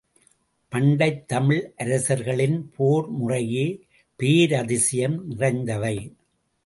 பண்டைத் தமிழ் அரசர்களின் போர் முறையே பேரதிசயம் நிறைந்தவை.